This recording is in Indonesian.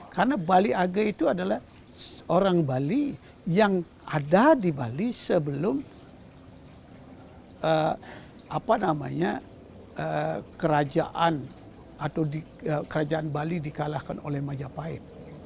karena bali age itu adalah orang bali yang ada di bali sebelum kerajaan bali dikalahkan oleh majapahit